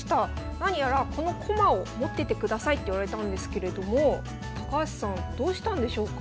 何やらこの駒を持っててくださいって言われたんですけれども高橋さんどうしたんでしょうか？